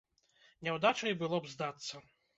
Няўдачай было б здацца.